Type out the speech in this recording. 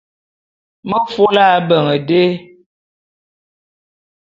Me fo’o lo ábeñ dé.